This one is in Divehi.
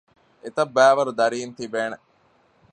އެތައްބައިވަރު ދަރީން ތިބޭނެ